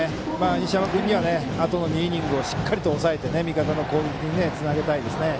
西山君にはあとの２イニングをしっかりと抑えてもらって味方の攻撃につなげたいですね。